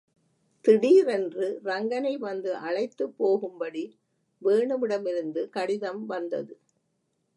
திடீரென்று ரங்கனை வந்து அழைத்துப் போகும்படி வேணுவிடமிருந்து கடிதம் வந்தது.